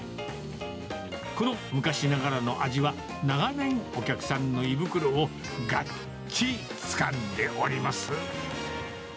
この昔ながらの味は、長年お客さんの胃袋をがっちりつかんでおります。